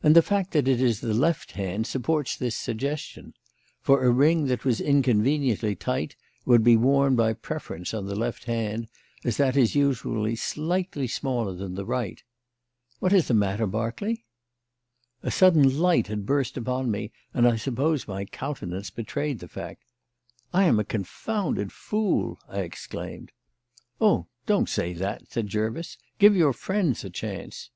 And the fact that it is the left hand supports this suggestion; for a ring that was inconveniently tight would be worn by preference on the left hand, as that is usually slightly smaller than the right. What is the matter, Berkeley?" A sudden light had burst upon me, and I suppose my countenance betrayed the fact. "I am a confounded fool!" I exclaimed. "Oh, don't say that," said Jervis. "Give your friends a chance."